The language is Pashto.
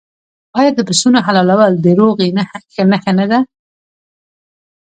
آیا د پسونو حلالول د روغې نښه نه ده؟